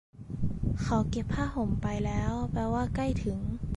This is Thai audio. เขาเก็บผ้าห่มไปแล้ว แปลว่าใกล้ถึง ?